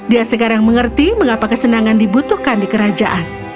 dia sekarang mengerti mengapa kesenangan dibutuhkan di kerajaan